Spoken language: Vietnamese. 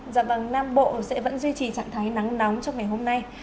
dạ vâng nam bộ sẽ vẫn duy trì trạng thái nắng nóng trong ngày hôm nay